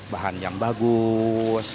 bahan yang bagus